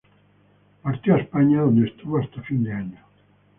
Partió a España, donde estuvo hasta fin de año.